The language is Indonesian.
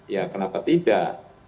ya kenapa tidak